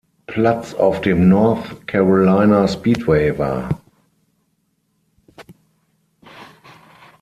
Platz auf dem North Carolina Speedway war.